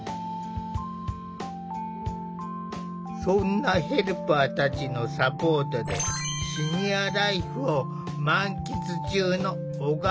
そんなヘルパーたちのサポートでシニアライフを満喫中の小笠原さん。